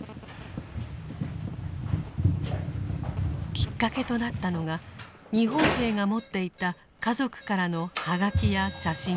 きっかけとなったのが日本兵が持っていた家族からの葉書や写真です。